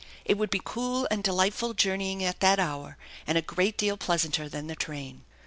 It would be cool and delightful journeying at that hour, and a great deal pleasanter than the train.